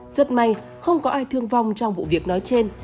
rất may không có ai thương vong trong vụ việc nói trên